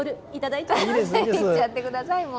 いっちゃってください、もう。